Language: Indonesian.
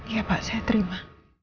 iya pak saya terima